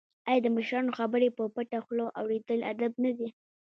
آیا د مشرانو خبرې په پټه خوله اوریدل ادب نه دی؟